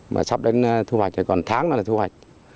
mà sắp đến thu hoạch rồi còn tháng là thu hoạch